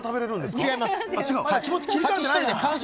違います。